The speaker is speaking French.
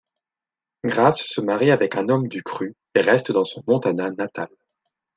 Grace se marie avec un homme du cru et reste dans son Montana natal.